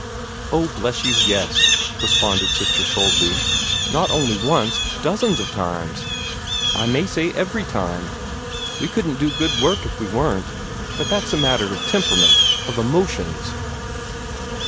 "Oh, bless you, yes," responded Sister Soulsby. "Not only once dozens of times I may say every time. We couldn't do good work if we weren't. But that's a matter of temperament of emotions."